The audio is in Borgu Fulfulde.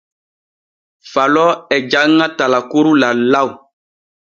Falo e janŋa talkuru lallaw.